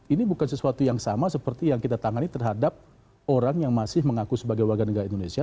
ini bukan sesuatu yang sama seperti yang kita tangani terhadap orang yang masih mengaku sebagai warga negara indonesia